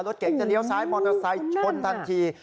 รถเก๋งจะเลี้ยวซ้ายมอเตอร์ไซค์ชนทันที